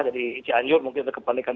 jadi cianjur mungkin ada kepanikan